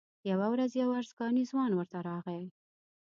یوه ورځ یو ارزګانی ځوان ورته راغی.